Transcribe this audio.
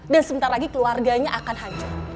dan sebentar lagi keluarganya akan hancur